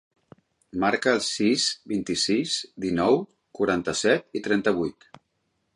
Marca el sis, vint-i-sis, dinou, quaranta-set, trenta-vuit.